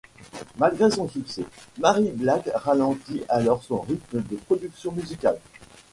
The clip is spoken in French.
Malgré son succès, Mary Black ralentit alors son rythme de production musicale.